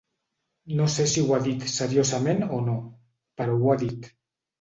No sé si ho ha dit seriosament o no, però ho ha dit.